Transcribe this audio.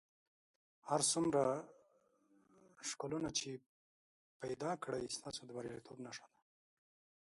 هر څومره شکلونه چې پیدا کړئ ستاسې د بریالیتوب نښه ده.